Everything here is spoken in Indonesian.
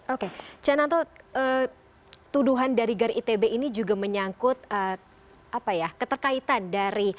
oke cananto tuduhan dari gar itb ini juga menyangkut keterkaitan dari